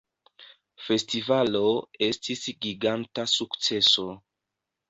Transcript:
Festivalo estis giganta sukceso